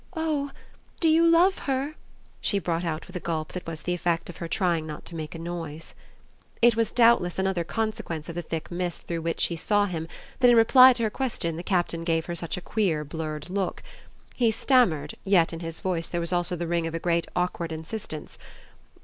"Oh do you love her?" she brought out with a gulp that was the effect of her trying not to make a noise. It was doubtless another consequence of the thick mist through which she saw him that in reply to her question the Captain gave her such a queer blurred look. He stammered, yet in his voice there was also the ring of a great awkward insistence.